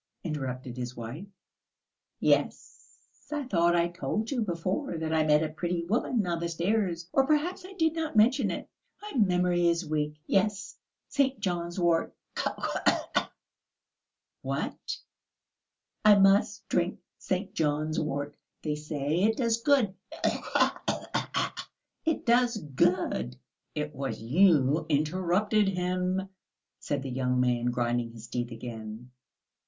interrupted his wife. "Yes.... I thought I told you before that I met a pretty woman on the stairs, or perhaps I did not mention it? My memory is weak. Yes, St. John's wort ... khee!" "What?" "I must drink St. John's wort; they say it does good ... khee khee khee! It does good!" "It was you interrupted him," said the young man, grinding his teeth again.